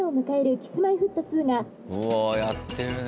「Ｋｉｓ−Ｍｙ−Ｆｔ２です」。